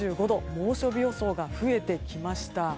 猛暑日予想が増えてきました。